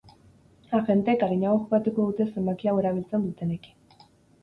Agenteek arinago jokatuko dute zenbaki hau erabiltzen dutenekin.